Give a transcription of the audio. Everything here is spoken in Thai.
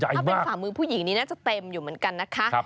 ถ้าเป็นฝ่ามือผู้หญิงนี้น่าจะเต็มอยู่เหมือนกันนะคะ